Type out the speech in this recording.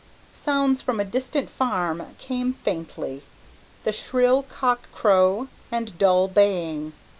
Sounds from a distant farm came faintly, the shrill cock crow and dull baying.